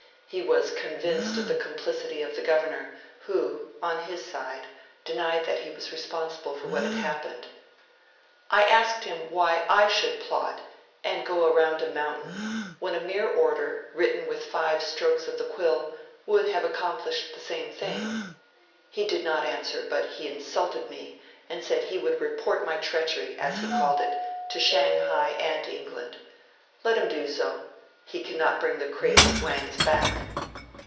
He was convinced of the complicity of the Governor, who, on his side, denied that he was responsible for what had happened. 'I asked him why I should plot, and go around a mountain, when a mere order, written with five strokes of the quill, would have accomplished the same thing. He did not answer, but he insulted me, and said he would report my treachery, as he called it, to Shanghai and England. Let him do so; he cannot bring the crazy Wangs back.'